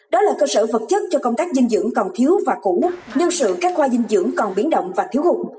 đó là cơ sở vật chất cho công tác dinh dưỡng còn thiếu và cũ nhân sự các khoa dinh dưỡng còn biến động và thiếu hụt